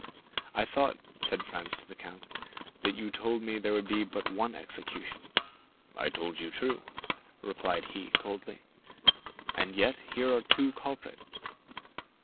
"I thought," said Franz to the count, "that you told me there would be but one execution." "I told you true," replied he coldly. "And yet here are two culprits."